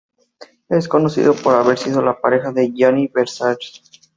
Es conocido por haber sido la pareja de Gianni Versace.